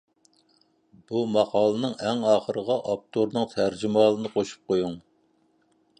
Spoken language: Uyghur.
بۇ ماقالىنىڭ ئەڭ ئاخىرىغا ئاپتورنىڭ تەرجىمىھالىنى قوشۇپ قويۇڭ.